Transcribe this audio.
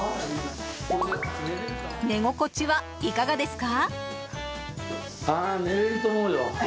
寝心地はいがかがですか？